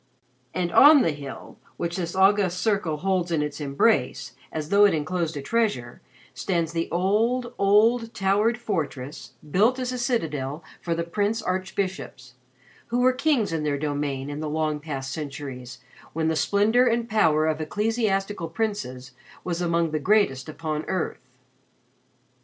And on the hill which this august circle holds in its embrace, as though it enclosed a treasure, stands the old, old, towered fortress built as a citadel for the Prince Archbishops, who were kings in their domain in the long past centuries when the splendor and power of ecclesiastical princes was among the greatest upon earth.